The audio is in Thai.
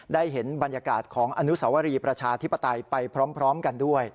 ได้เห็นบรรยากาศของอนุสวรีประชาธิปไตยไปพร้อมกันด้วย